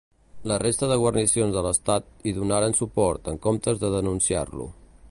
La resta de guarnicions de l'Estat hi donaren suport en comptes de denunciar-lo.